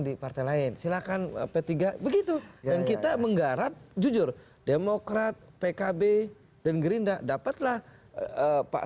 di partai lain silakan p tiga begitu dan kita menggarap jujur demokrat pkb dan gerindra dapatlah pak